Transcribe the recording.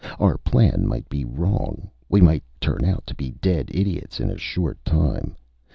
Our plan might be wrong; we might turn out to be dead idiots in a short time.